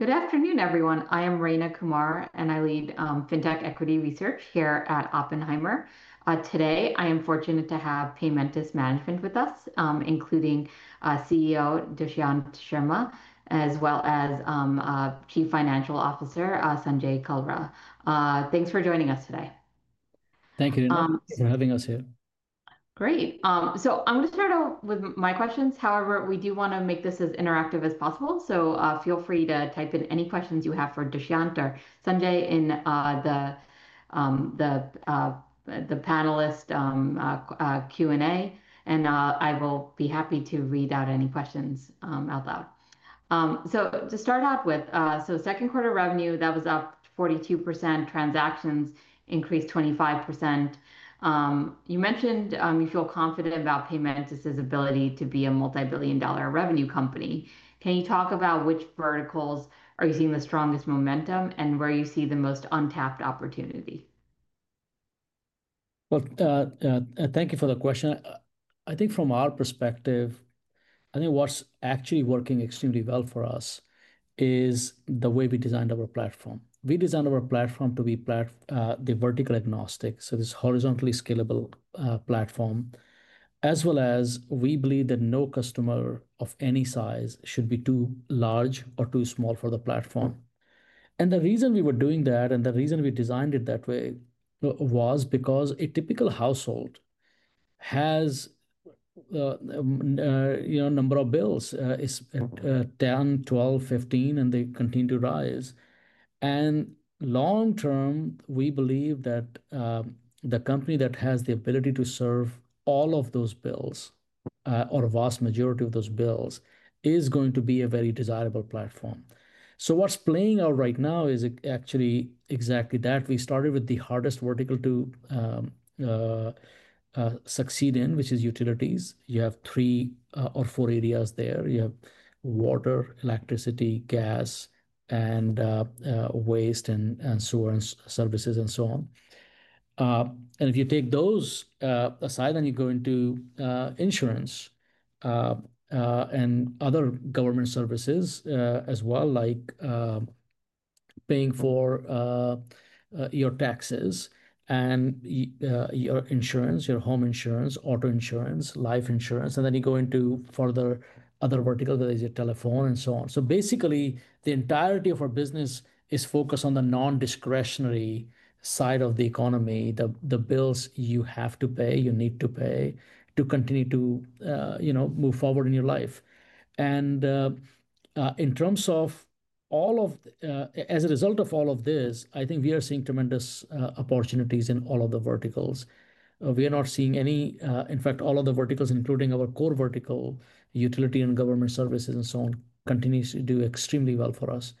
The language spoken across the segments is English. Good afternoon, everyone. I am Rayna Kumar, and I lead FinTech Equity Research here at Oppenheimer. Today I am fortunate to have Paymentus management with us, including CEO Dushyant Sharma, as well as Chief Financial Officer Sanjay Kalra. Thanks for joining us today. Thank you, Rayna, for having us here. Great. I'm going to start out with my questions. However, we do want to make this as interactive as possible, so feel free to type in any questions you have for Dushyant or Sanjay in the panelist Q&A, and I will be happy to read out any questions out loud. To start out with, second quarter revenue was up 42%, transactions increased 25%. You mentioned you feel confident about Paymentus's ability to be a multi-billion dollar revenue company. Can you talk about which verticals are you seeing the strongest momentum and where you see the most untapped opportunity? Thank you for the question. I think from our perspective, what's actually working extremely well for us is the way we designed our platform. We designed our platform to be vertical agnostic, so this horizontally scalable platform, as well as we believe that no customer of any size should be too large or too small for the platform. The reason we were doing that and the reason we designed it that way was because a typical household has a number of bills, it's 10, 12, 15, and they continue to rise. Long term, we believe that the company that has the ability to serve all of those bills, or a vast majority of those bills, is going to be a very desirable platform. What's playing out right now is actually exactly that. We started with the hardest vertical to succeed in, which is utilities. You have three or four areas there. You have water, electricity, gas, and waste, and sewer services, and so on. If you take those aside and you go into insurance and other government services as well, like paying for your taxes and your insurance, your home insurance, auto insurance, life insurance, and then you go into further other verticals that is your telephone and so on. Basically, the entirety of our business is focused on the non-discretionary side of the economy, the bills you have to pay, you need to pay to continue to move forward in your life. In terms of all of, as a result of all of this, I think we are seeing tremendous opportunities in all of the verticals. We are not seeing any, in fact, all of the verticals, including our core vertical, utility and government services and so on, continue to do extremely well for us.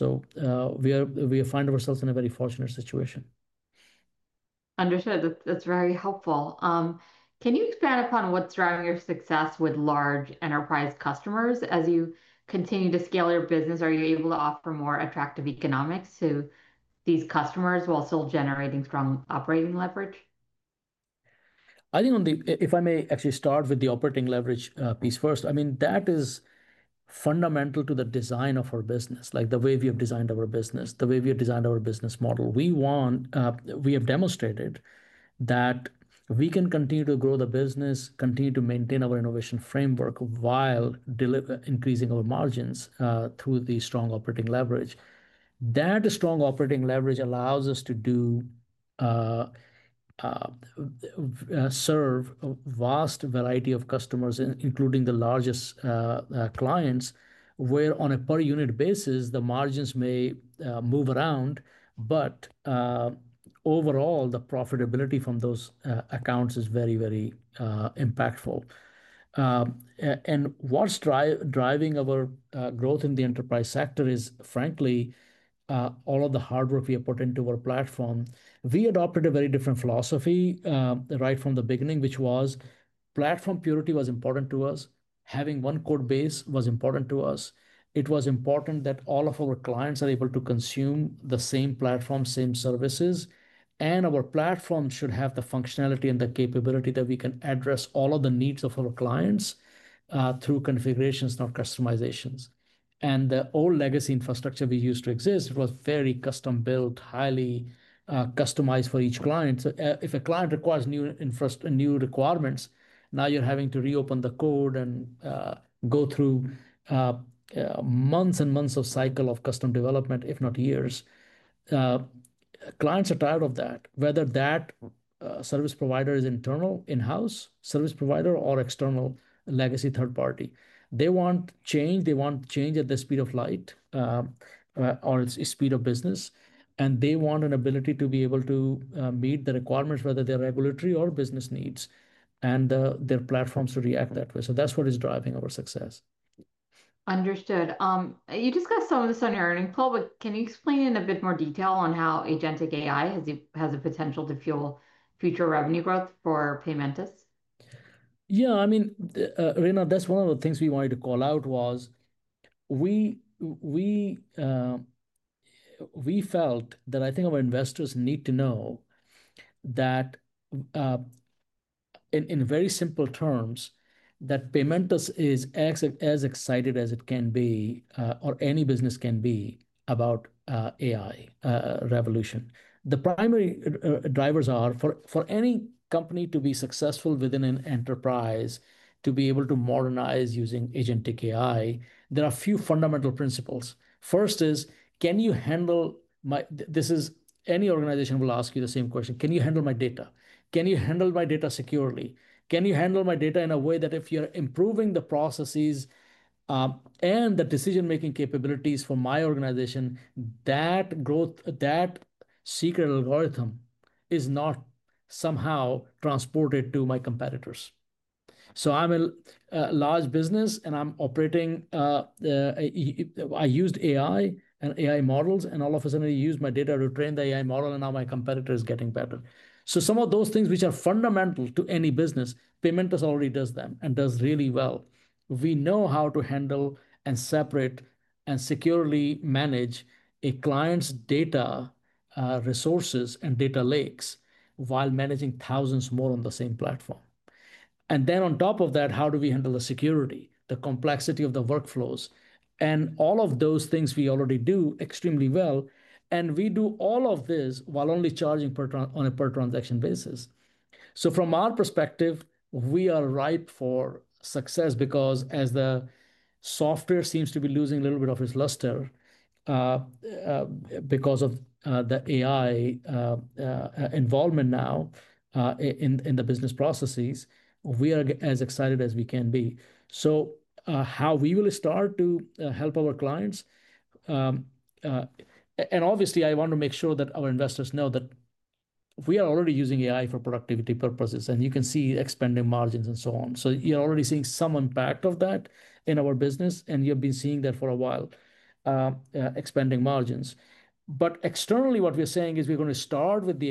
We find ourselves in a very fortunate situation. Understood. That's very helpful. Can you expand upon what's driving your success with large enterprise customers? As you continue to scale your business, are you able to offer more attractive economics to these customers while still generating strong operating leverage? I think if I may actually start with the operating leverage piece first, that is fundamental to the design of our business, like the way we have designed our business, the way we have designed our business model. We want, we have demonstrated that we can continue to grow the business, continue to maintain our innovation framework while increasing our margins through the strong operating leverage. That strong operating leverage allows us to serve a vast variety of customers, including the largest clients, where on a per unit basis, the margins may move around, but overall, the profitability from those accounts is very, very impactful. What's driving our growth in the enterprise sector is, frankly, all of the hard work we have put into our platform. We adopted a very different philosophy right from the beginning, which was platform purity was important to us. Having one code base was important to us. It was important that all of our clients are able to consume the same platform, same services, and our platform should have the functionality and the capability that we can address all of the needs of our clients through configurations, not customizations. The old legacy infrastructure we used to exist was very custom built, highly customized for each client. If a client requires new requirements, now you're having to reopen the code and go through months and months of cycle of custom development, if not years. Clients are tired of that. Whether that service provider is internal, in-house service provider, or external legacy third party, they want change. They want change at the speed of light or its speed of business. They want an ability to be able to meet the requirements, whether they're regulatory or business needs, and their platforms to react that way. That's what is driving our success. Understood. You discussed some of this on your earnings, but can you explain in a bit more detail on how agentic AI has a potential to fuel future revenue growth for Paymentus? Yeah, I mean, Rayna, that's one of the things we wanted to call out. We felt that our investors need to know that in very simple terms, that Paymentus is as excited as it can be, or any business can be, about AI revolution. The primary drivers are for any company to be successful within an enterprise, to be able to modernize using agentic AI, there are a few fundamental principles. First is, can you handle my this is any organization will ask you the same question. Can you handle my data? Can you handle my data securely? Can you handle my data in a way that if you're improving the processes and the decision-making capabilities for my organization, that growth, that secret algorithm is not somehow transported to my competitors? I'm a large business and I'm operating, I used AI and AI models, and all of a sudden I use my data to train the AI model, and now my competitor is getting better. Some of those things which are fundamental to any business, Paymentus already does them and does really well. We know how to handle and separate and securely manage a client's data resources and data lakes while managing thousands more on the same platform. On top of that, how do we handle the security, the complexity of the workflows, and all of those things we already do extremely well. We do all of this while only charging on a per transaction basis. From our perspective, we are ripe for success because as the software seems to be losing a little bit of its luster because of the AI involvement now in the business processes, we are as excited as we can be. How we will start to help our clients, and obviously I want to make sure that our investors know that we are already using AI for productivity purposes, and you can see expanding margins and so on. You're already seeing some impact of that in our business, and you have been seeing that for a while, expanding margins. Externally, what we're saying is we're going to start with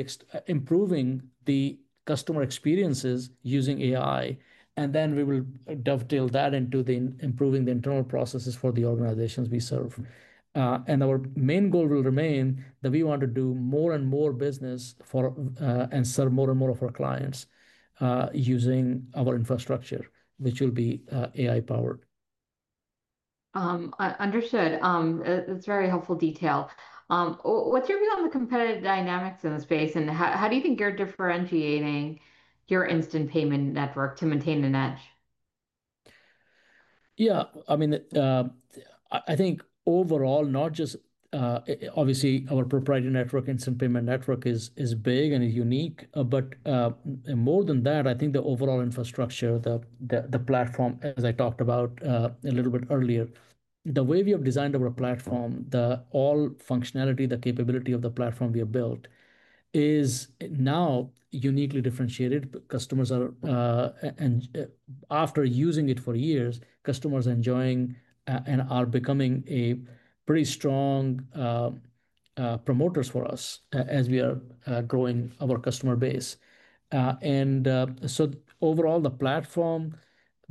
improving the customer experiences using AI, and then we will dovetail that into improving the internal processes for the organizations we serve. Our main goal will remain that we want to do more and more business and serve more and more of our clients using our infrastructure, which will be AI-powered. Understood. That's very helpful detail. What's your view on the competitive dynamics in the space, and how do you think you're differentiating your Instant Payment Network to maintain an edge? Yeah, I mean, I think overall, not just obviously our proprietary network, Instant Payment Network is big and is unique, but more than that, I think the overall infrastructure, the platform, as I talked about a little bit earlier, the way we have designed our platform, all functionality, the capability of the platform we have built is now uniquely differentiated. Customers are, and after using it for years, customers are enjoying and are becoming pretty strong promoters for us as we are growing our customer base. Overall, the platform,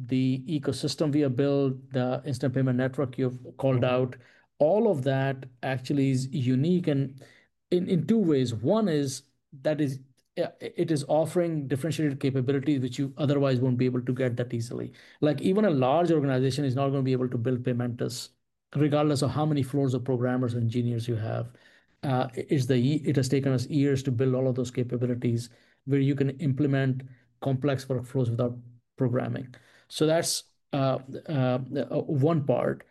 the ecosystem we have built, the Instant Payment Network you've called out, all of that actually is unique in two ways. One is that it is offering differentiated capability which you otherwise won't be able to get that easily. Even a large organization is not going to be able to build Paymentus regardless of how many floors of programmers and engineers you have. It has taken us years to build all of those capabilities where you can implement complex workflows without programming. That's one part.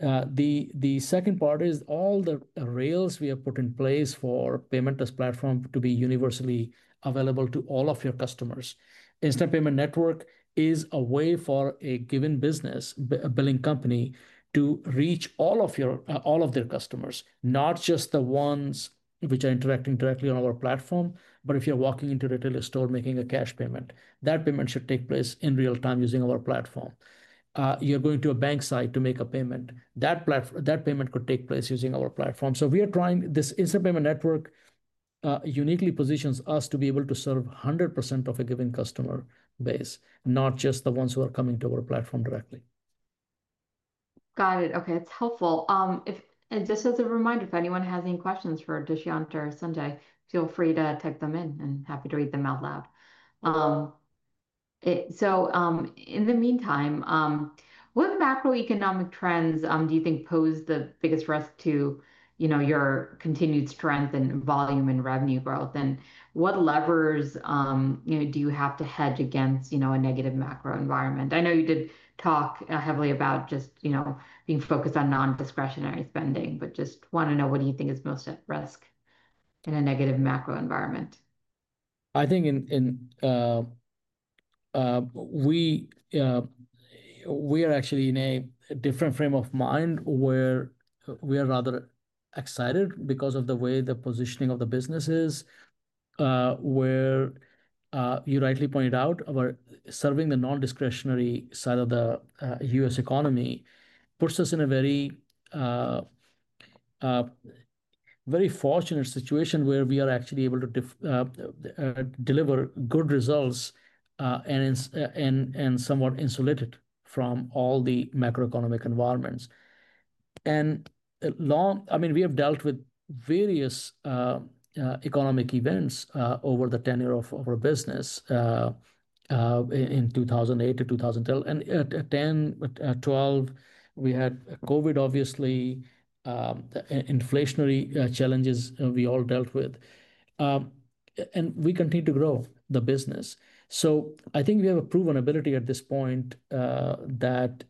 The second part is all the rails we have put in place for the Paymentus platform to be universally available to all of your customers. Instant Payment Network is a way for a given business, a billing company, to reach all of their customers, not just the ones which are interacting directly on our platform. If you're walking into a retail store making a cash payment, that payment should take place in real time using our platform. You're going to a bank site to make a payment, that payment could take place using our platform. This Instant Payment Network uniquely positions us to be able to serve 100% of a given customer base, not just the ones who are coming to our platform directly. Got it. Okay, that's helpful. Just as a reminder, if anyone has any questions for Dushyant or Sanjay, feel free to type them in and happy to read them out loud. In the meantime, what macroeconomic trends do you think pose the biggest risk to your continued strength in volume and revenue growth? What levers do you have to hedge against a negative macro environment? I know you did talk heavily about just being focused on non-discretionary spending, but just want to know what do you think is most at risk in a negative macro environment? I think we are actually in a different frame of mind where we are rather excited because of the way the positioning of the business is, where you rightly pointed out, about serving the non-discretionary side of the U.S. economy puts us in a very fortunate situation where we are actually able to deliver good results and somewhat insulated from all the macroeconomic environments. We have dealt with various economic events over the tenure of our business in 2008-2012. In 2012, we had COVID, obviously, inflationary challenges we all dealt with, and we continue to grow the business. I think we have a proven ability at this point that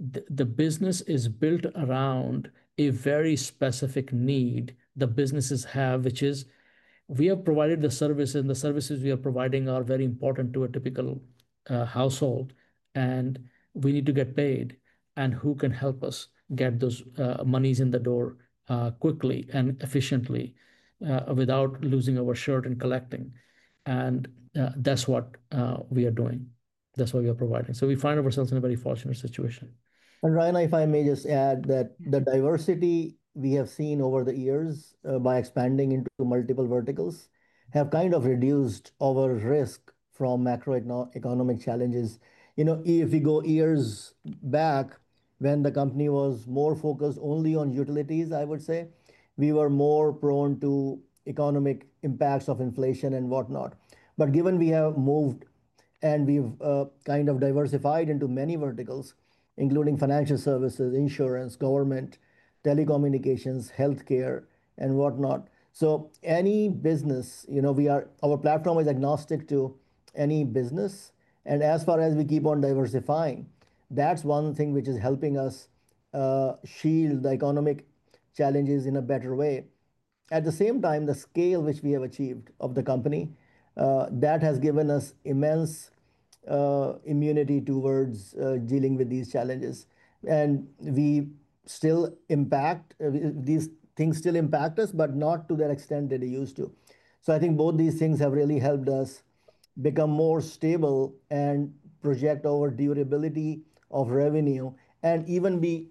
the business is built around a very specific need the businesses have, which is we have provided the service, and the services we are providing are very important to a typical household, and we need to get paid. Who can help us get those monies in the door quickly and efficiently without losing our shirt and collecting? That's what we are doing. That's what we are providing. We find ourselves in a very fortunate situation. Rayna, if I may just add that the diversity we have seen over the years by expanding into multiple verticals has kind of reduced our risk from macroeconomic challenges. If you go years back when the company was more focused only on utilities, I would say we were more prone to economic impacts of inflation and whatnot. Given we have moved and we've kind of diversified into many verticals, including financial services, insurance, government, telecommunications, healthcare, and whatnot, our platform is agnostic to any business. As far as we keep on diversifying, that's one thing which is helping us shield the economic challenges in a better way. At the same time, the scale which we have achieved of the company has given us immense immunity towards dealing with these challenges. These things still impact us, but not to that extent that they used to. I think both these things have really helped us become more stable and project our durability of revenue and even be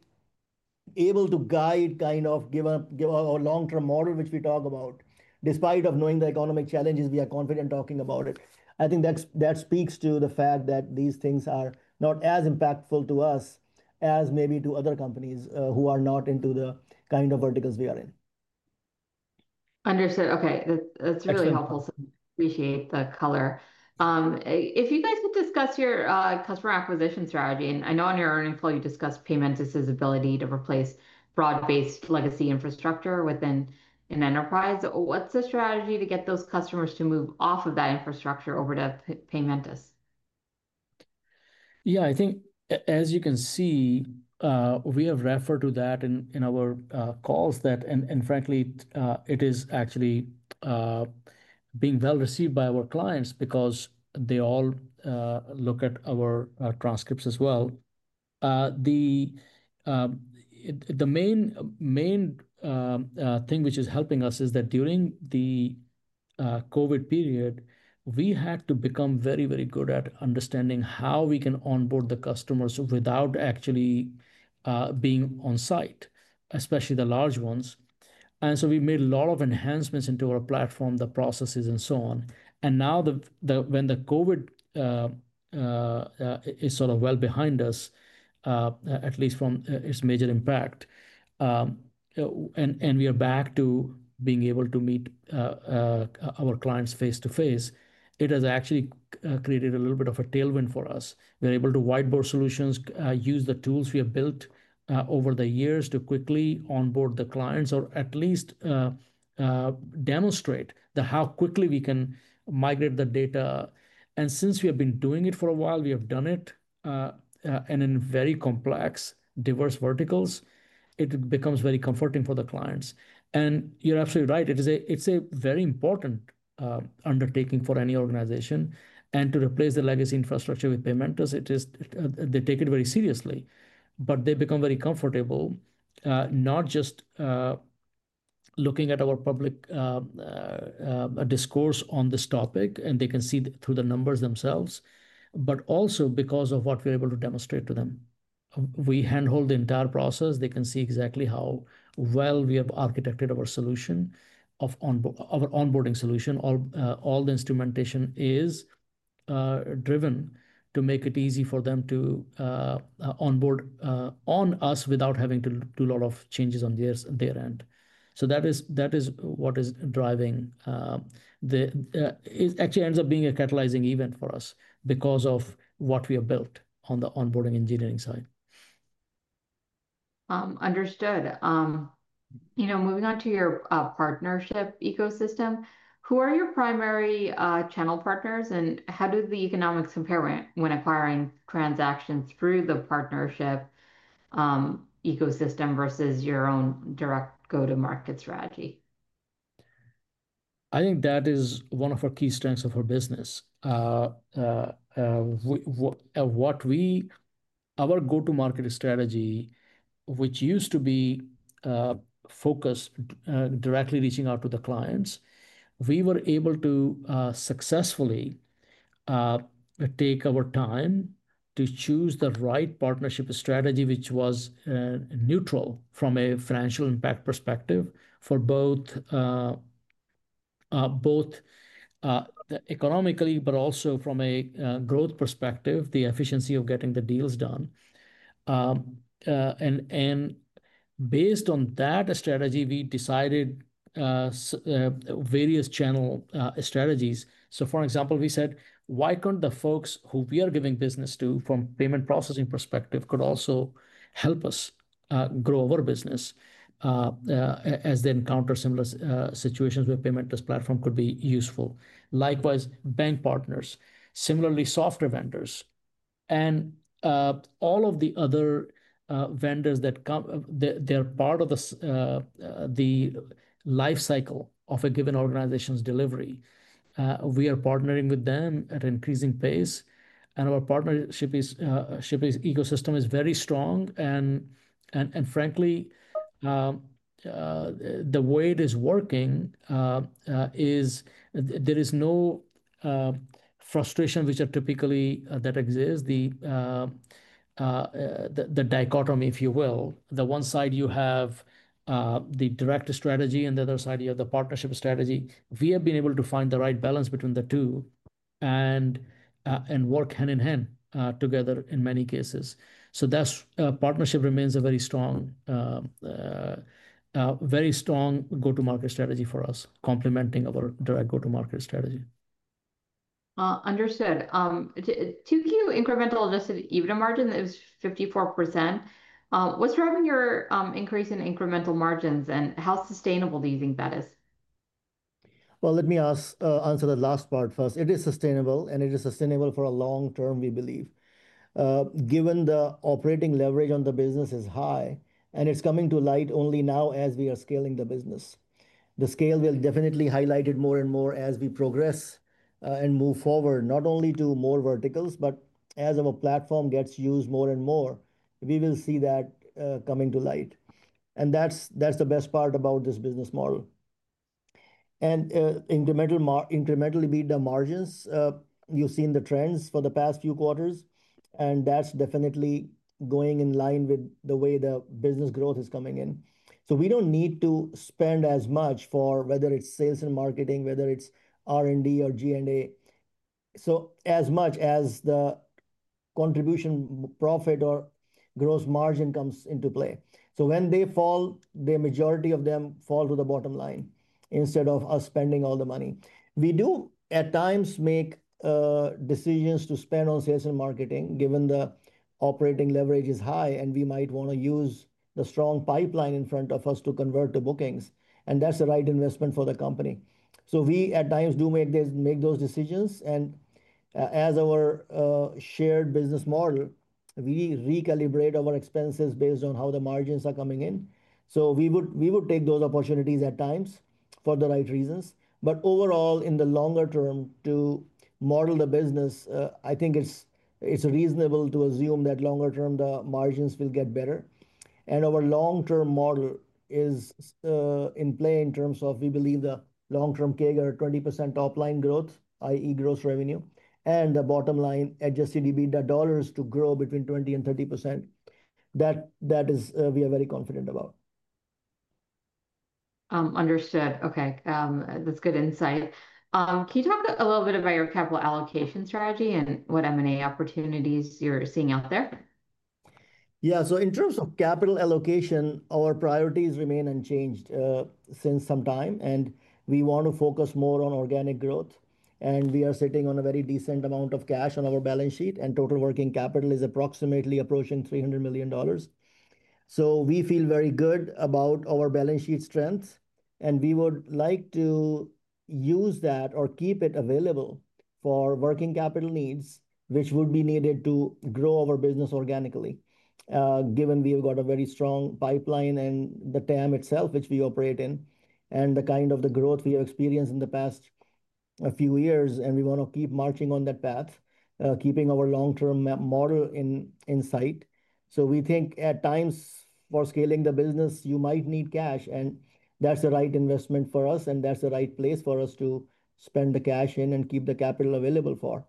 able to guide kind of our long-term model, which we talk about. Despite knowing the economic challenges, we are confident talking about it. I think that speaks to the fact that these things are not as impactful to us as maybe to other companies who are not into the kind of verticals we are in. Understood. Okay, that's really helpful. Appreciate the color. If you guys could discuss your customer acquisition strategy, and I know on your earnings, you discussed Paymentus's ability to replace broad-based legacy infrastructure within an enterprise. What's the strategy to get those customers to move off of that infrastructure over to Paymentus? I think as you can see, we have referred to that in our calls, and frankly, it is actually being well received by our clients because they all look at our transcripts as well. The main thing which is helping us is that during the COVID period, we had to become very, very good at understanding how we can onboard the customers without actually being on site, especially the large ones. We made a lot of enhancements into our platform, the processes, and so on. Now when the COVID is sort of well behind us, at least from its major impact, and we are back to being able to meet our clients face to face, it has actually created a little bit of a tailwind for us. We are able to whiteboard solutions, use the tools we have built over the years to quickly onboard the clients, or at least demonstrate how quickly we can migrate the data. Since we have been doing it for a while, we have done it, and in very complex, diverse verticals, it becomes very comforting for the clients. You're absolutely right. It's a very important undertaking for any organization. To replace the legacy infrastructure with Paymentus, they take it very seriously, but they become very comfortable, not just looking at our public discourse on this topic, and they can see through the numbers themselves, but also because of what we're able to demonstrate to them. We handhold the entire process. They can see exactly how well we have architected our onboarding solution. All the instrumentation is driven to make it easy for them to onboard on us without having to do a lot of changes on their end. That is what is driving, actually ends up being a catalyzing event for us because of what we have built on the onboarding engineering side. Understood. Moving on to your partnership ecosystem, who are your primary channel partners, and how do the economics compare when acquiring transactions through the partnership ecosystem versus your own direct go-to-market strategy? I think that is one of our key strengths of our business. Our go-to-market strategy, which used to be focused directly reaching out to the clients, we were able to successfully take our time to choose the right partnership strategy, which was neutral from a financial impact perspective for both economically, but also from a growth perspective, the efficiency of getting the deals done. Based on that strategy, we decided various channel strategies. For example, we said, why can't the folks who we are giving business to from a payment processing perspective also help us grow our business as they encounter similar situations where the Paymentus platform could be useful? Likewise, bank partners, similarly, software vendors, and all of the other vendors that are part of the lifecycle of a given organization's delivery. We are partnering with them at an increasing pace, and our partnership ecosystem is very strong. Frankly, the way it is working is there is no frustration which typically exists, the dichotomy, if you will. On one side you have the direct strategy, and on the other side you have the partnership strategy. We have been able to find the right balance between the two and work hand in hand together in many cases. That partnership remains a very strong go-to-market strategy for us, complementing our direct go-to-market strategy. Understood. Took your incremental adjusted EBITDA margin, it was 54%. What's driving your increase in incremental margins, and how sustainable do you think that is? Let me answer the last part first. It is sustainable, and it is sustainable for a long term, we believe. Given the operating leverage on the business is high, and it's coming to light only now as we are scaling the business. The scale will definitely highlight it more and more as we progress and move forward, not only to more verticals, but as our platform gets used more and more, we will see that coming to light. That's the best part about this business model. Incremental adjusted EBITDA margins, you've seen the trends for the past few quarters, and that's definitely going in line with the way the business growth is coming in. We don't need to spend as much for whether it's sales and marketing, whether it's R&D or G&A. As much as the contribution profit or gross margin comes into play, when they fall, the majority of them fall to the bottom line instead of us spending all the money. We do at times make decisions to spend on sales and marketing given the operating leverage is high, and we might want to use the strong pipeline in front of us to convert to bookings, and that's the right investment for the company. We at times do make those decisions, and as our shared business model, we recalibrate our expenses based on how the margins are coming in. We would take those opportunities at times for the right reasons. Overall, in the longer term to model the business, I think it's reasonable to assume that longer term the margins will get better. Our long-term model is in play in terms of we believe the long-term CAGR, 20% top line growth, i.e., gross revenue, and the bottom line adjusted EBITDA dollars to grow between 20% and 30%. That is we are very confident about. Understood. Okay, that's good insight. Can you talk a little bit about your capital allocation strategy and what M&A opportunities you're seeing out there? Yeah, so in terms of capital allocation, our priorities remain unchanged since some time, and we want to focus more on organic growth. We are sitting on a very decent amount of cash on our balance sheet, and total working capital is approximately approaching $300 million. We feel very good about our balance sheet strength, and we would like to use that or keep it available for working capital needs, which would be needed to grow our business organically, given we've got a very strong pipeline and the total addressable market itself, which we operate in, and the kind of the growth we have experienced in the past few years. We want to keep marching on that path, keeping our long-term model in sight. We think at times for scaling the business, you might need cash, and that's the right investment for us, and that's the right place for us to spend the cash in and keep the capital available for.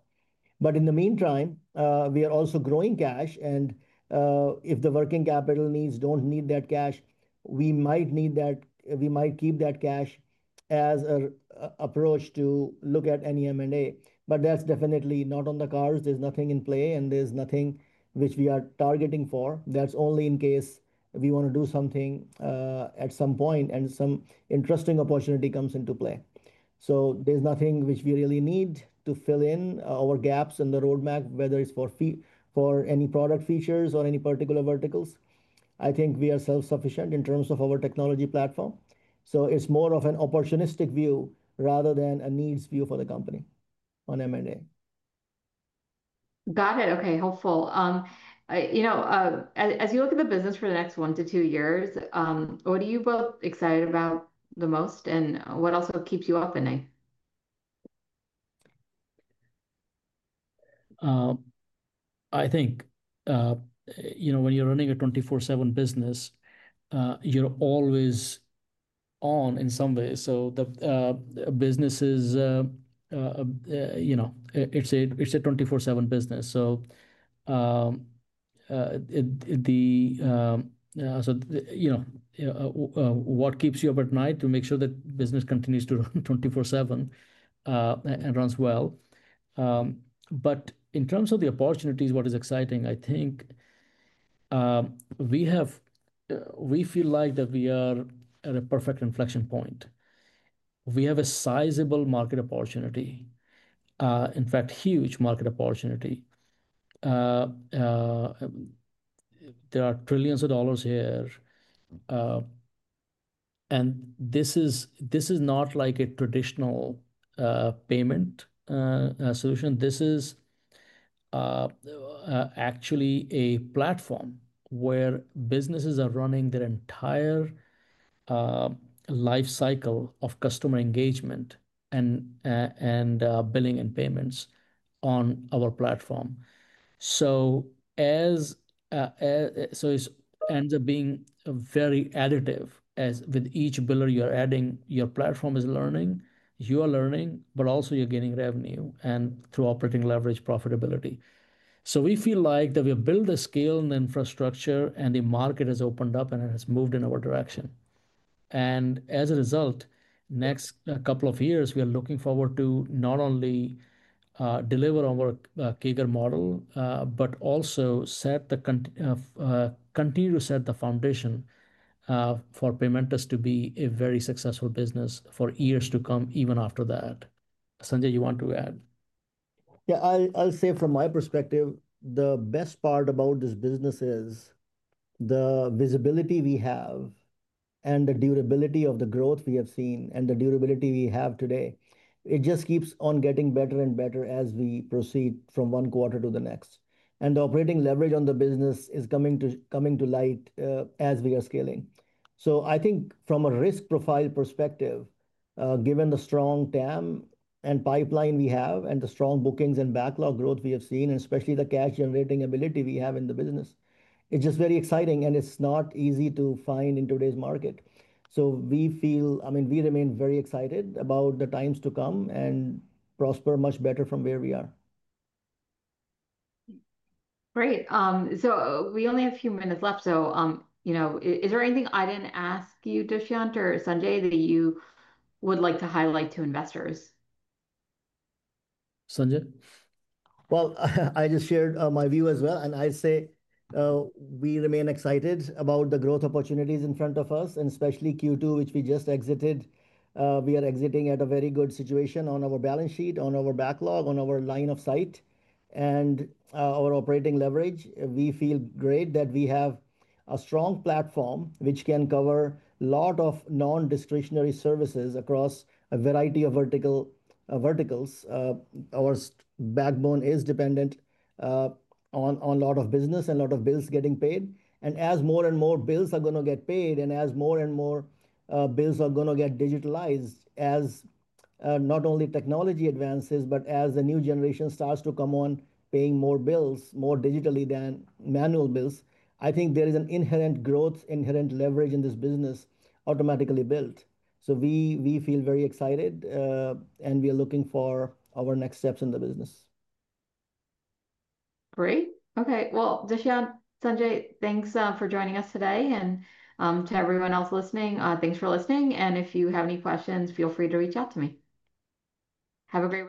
In the meantime, we are also growing cash, and if the working capital needs don't need that cash, we might keep that cash as an approach to look at any M&A. That's definitely not on the cards. There's nothing in play, and there's nothing which we are targeting for. That's only in case we want to do something at some point and some interesting opportunity comes into play. There's nothing which we really need to fill in our gaps in the roadmap, whether it's for any product features or any particular verticals. I think we are self-sufficient in terms of our technology platform. It's more of an opportunistic view rather than a needs view for the company on M&A. Got it. Okay, helpful. As you look at the business for the next one to two years, what are you both excited about the most and what also keeps you up at night? I think when you're running a 24/7 business, you're always on in some ways. The business is a 24/7 business. What keeps you up at night to make sure that business continues to 24/7 and runs well? In terms of the opportunities, what is exciting, I think we feel like that we are at a perfect inflection point. We have a sizable market opportunity, in fact, huge market opportunity. There are trillions of dollars here. This is not like a traditional payment solution. This is actually a platform where businesses are running their entire lifecycle of customer engagement and billing and payments on our platform. It ends up being very additive. With each bill you're adding, your platform is learning, you are learning, but also you're getting revenue and through operating leverage profitability. We feel like that we have built a scale and infrastructure, and the market has opened up and it has moved in our direction. As a result, the next couple of years, we are looking forward to not only deliver on our CAGR model, but also continue to set the foundation for Paymentus to be a very successful business for years to come even after that. Sanjay, you want to add? I'll say from my perspective, the best part about this business is the visibility we have and the durability of the growth we have seen and the durability we have today. It just keeps on getting better and better as we proceed from one quarter to the next. The operating leverage on the business is coming to light as we are scaling. I think from a risk profile perspective, given the strong total addressable market and pipeline we have and the strong bookings and backlog growth we have seen, especially the cash generating ability we have in the business, it's just very exciting, and it's not easy to find in today's market. We remain very excited about the times to come and prosper much better from where we are. Great. We only have a few minutes left. Is there anything I didn't ask you, Dushyant or Sanjay, that you would like to highlight to investors? Sanjay? I just shared my view as well, and I say we remain excited about the growth opportunities in front of us, especially Q2, which we just exited. We are exiting at a very good situation on our balance sheet, on our backlog, on our line of sight, and our operating leverage. We feel great that we have a strong platform which can cover a lot of non-discretionary services across a variety of verticals. Our backbone is dependent on a lot of business and a lot of bills getting paid. As more and more bills are going to get paid and as more and more bills are going to get digitalized, as not only technology advances, but as a new generation starts to come on paying more bills, more digitally than manual bills, I think there is an inherent growth, inherent leverage in this business automatically built. We feel very excited, and we are looking for our next steps in the business. Great. Okay, Dushyant, Sanjay, thanks for joining us today, and to everyone else listening, thanks for listening. If you have any questions, feel free to reach out to me. Have a great day.